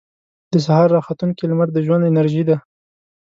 • د سهار راختونکې لمر د ژوند انرژي ده.